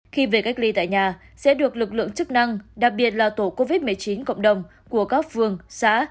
khi về cách ly tại nhà sẽ được lực lượng chức năng đặc biệt là tổ covid một mươi chín cộng đồng của các phường xã